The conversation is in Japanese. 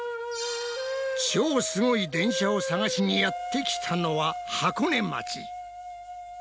超すごい電車を探しにやってきたのは箱根町。